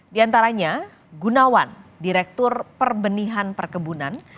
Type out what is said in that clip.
di antaranya gunawan direktur perbenihan perkebunan